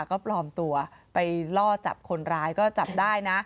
ก็ปลอมตัวไปล่อจับคนร้ายก็จับได้นะ